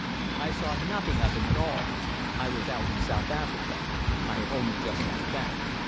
"I saw nothing of him at all. I was out in South Africa. I have only just got back.